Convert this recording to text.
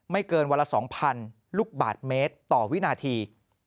เกินวันละ๒๐๐๐ลูกบาทเมตรต่อวินาที